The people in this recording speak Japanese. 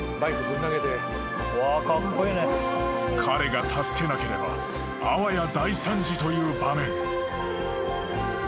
［彼が助けなければあわや大惨事という場面］